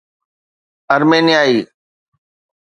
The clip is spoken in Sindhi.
آرمينيائي